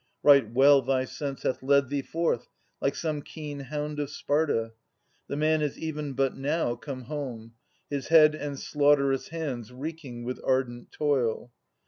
Right well thy sense Hath led thee forth, like some keen hound of Sparta ! The man is even but now come home, his head And slaughterous hands reeking with ardent toil.